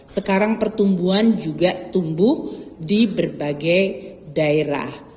sekarang pertumbuhan juga tumbuh di berbagai daerah